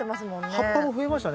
葉っぱも増えました。